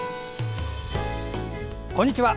こんにちは。